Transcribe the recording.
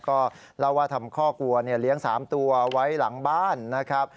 ก็ลาวาธรรมคอกวัวเลี้ยง๓ตัวไว้หลังบ้านนะครับ